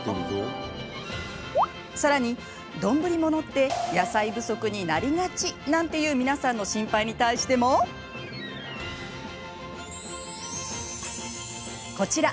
さらに、丼物って野菜不足になりがちなんていう皆さんの心配に対してもこちら！